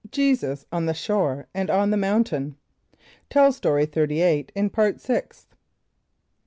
Jesus on the Shore and on the Mountain. (Tell Story 38 in Part Sixth.)